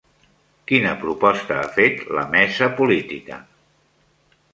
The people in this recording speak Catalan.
Quina proposta ha fet la Mesa política?